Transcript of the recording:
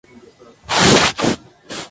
Hadley nació en Bloomsbury, Londres.